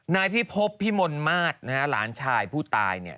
นายพี่พบพี่มนต์มาตรนะหลานชายผู้ตายเนี่ย